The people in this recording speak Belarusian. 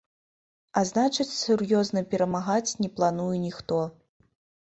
А значыць, сур'ёзна перамагаць не плануе ніхто.